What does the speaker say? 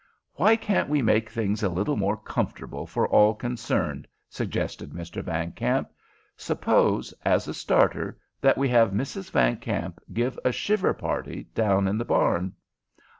"Why can't we make things a little more comfortable for all concerned?" suggested Mr. Van Kamp. "Suppose, as a starter, that we have Mrs. Van Kamp give a shiver party down in the barn?"